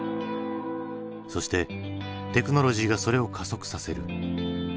そしてテクノロジーがそれを加速させる。